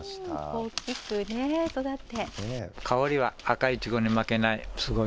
大きく育って。